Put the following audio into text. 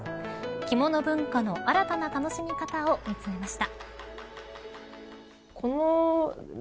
着物文化の新たな楽しみ方を見つめました。